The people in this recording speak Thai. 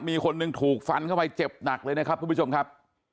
มีคนหนึ่งถูกฟันเข้าไปเจ็บหนักเลยนะครับทุกผู้ชมครับ